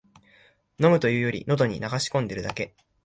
飲むというより、のどに流し込んでるだけ